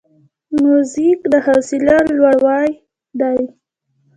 موزیک د حوصله لوړاوی دی.